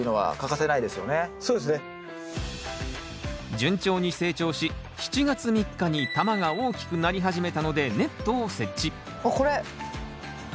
順調に成長し７月３日に玉が大きくなり始めたのでネットを設置あっこれ空中栽培だ。